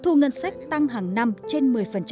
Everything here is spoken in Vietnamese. thu ngân sách tăng hàng năm trên một mươi